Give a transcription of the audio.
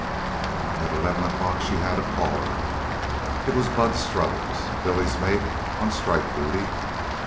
At eleven o'clock she had a caller. It was Bud Strothers, Billy's mate on strike duty.